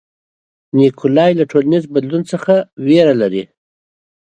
نیکولای له ټولنیز بدلون څخه وېره لرله.